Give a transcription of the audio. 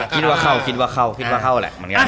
คิดว่าเข้าคิดว่าเข้าแหละ